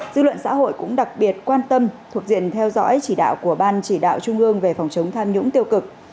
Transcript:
dư luận xã hội cũng đặc biệt quan tâm thuộc diện theo dõi chỉ đạo của ban chỉ đạo trung ương về phòng chống tham nhũng tiêu cực